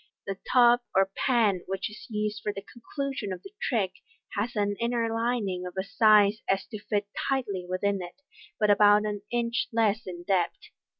The tub or pan which is used for the conclusion of the trick has an inner lining of such a size as to fit tightly within it, but about an inch less in depth.